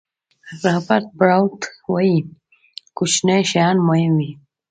رابرټ براولټ وایي کوچني شیان مهم وي.